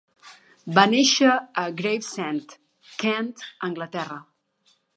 Va néixer a Gravesend, Kent, Anglaterra.